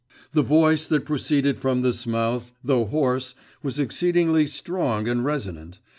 The voice that proceeded from this mouth, though hoarse, was exceedingly strong and resonant.